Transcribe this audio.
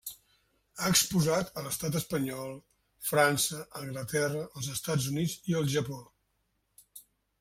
Ha exposat a l’Estat espanyol, França, Anglaterra, els Estats Units i el Japó.